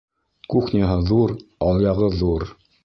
Кухняһы ҙур, алъяғы ҙур!